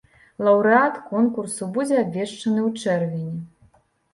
Лаўрэат конкурсу будзе абвешчаны ў чэрвені.